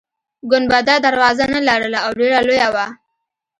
ګنبده دروازه نلرله او ډیره لویه وه.